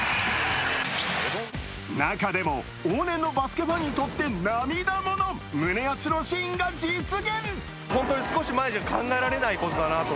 中でも往年のバスケファンにとって涙もの、胸熱のシーンが実現。